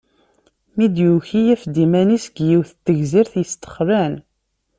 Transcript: Mi d-yuki, yaf-d iman-is deg yiwet n tegzirt yestexlan.